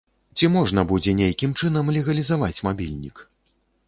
Ці можна будзе нейкім чынам легалізаваць мабільнік?